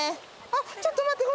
あっちょっと待って！